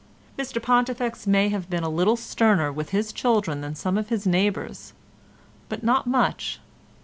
Mr Pontifex may have been a little sterner with his children than some of his neighbours, but not much.